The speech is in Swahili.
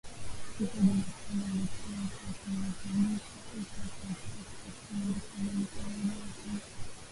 Siku ya Jumatano ,alitoa wito wa kurekebishwa upya kwa kikosi cha kulinda amani cha Umoja wa Mataifa